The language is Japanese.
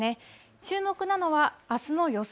注目なのはあすの予想